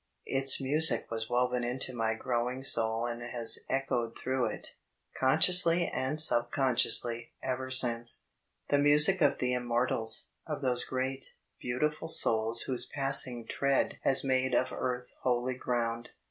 Its music was woven into my growing soul and has echoed through it, consciously and subconsciously, ever since: "the music of the immortals, of those great, beautiful souls whose passing tread has made of earth holy ground."